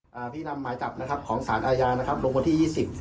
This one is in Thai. พี่นำหมายจับของศาลอายาโรงพลังที่๒๐